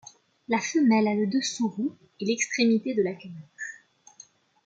La femelle a le dessous roux et l'extrémité de la queue blanche.